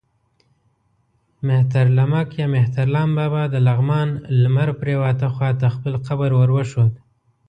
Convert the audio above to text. مهترلمک یا مهترلام بابا د لغمان لمر پرېواته خوا ته خپل قبر ور وښود.